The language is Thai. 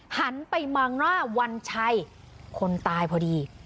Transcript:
หันไปมองหน้าวันชัยคนตายพอดี